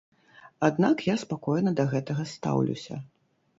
Аднак я спакойна да гэтага стаўлюся.